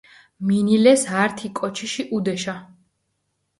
მინილეს ართი კოჩიში ჸუდეშა.